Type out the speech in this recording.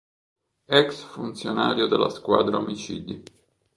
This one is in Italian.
Ex funzionario della Squadra Omicidi.